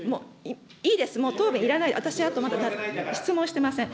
いいです、もう答弁いらない、私まだ質問してません。